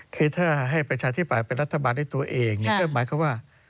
คือถ้าให้ประชาธิปัตย์เป็นรัฐบาลด้วยตัวเองก็หมายความว่า